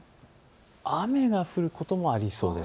雨が降ることもありそうです。